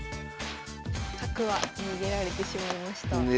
角は逃げられてしまいました。